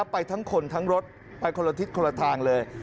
ไปทั้งคนทั้งรถไปคนละทิศคนละทางเลย